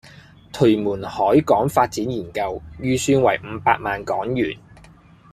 屯門海港發展研究，預算為五百萬港元